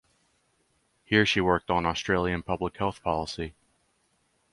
Here she worked on Australian public health policy.